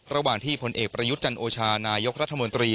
ระหว่างที่ผลเอกประยุทธ์จันโอชานายกรัฐมนตรี